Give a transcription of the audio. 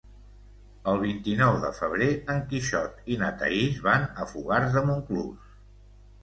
El vint-i-nou de febrer en Quixot i na Thaís van a Fogars de Montclús.